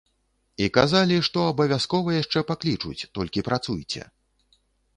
І казалі, што абавязкова яшчэ паклічуць, толькі працуйце.